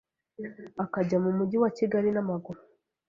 akajya mu Mujyi wa Kigali na maguru .